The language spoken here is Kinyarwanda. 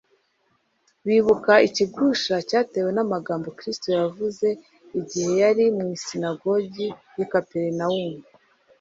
Bibukaga ikigusha cyatewe n'amagambo Kristo yavuze igihe yari mu isinagogi y'i Kaperinaumu,